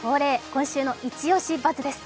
「今週のイチオシバズ！」です。